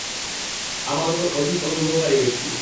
আমার উপর অধিক অনুগ্রহকারী ব্যক্তি।